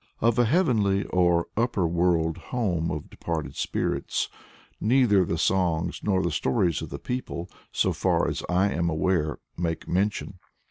Of a heavenly or upper world home of departed spirits, neither the songs nor the stories of the people, so far as I am aware, make mention.